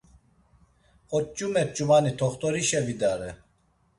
Oç̌ume ç̌umani t̆oxt̆orişe vidare.